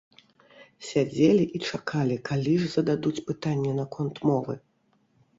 Сядзелі і чакалі, калі ж зададуць пытанне наконт мовы.